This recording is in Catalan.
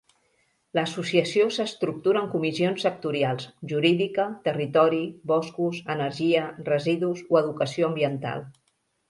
L'associació s'estructura en comissions sectorials: jurídica, territori, boscos, energia, residus, o educació ambiental.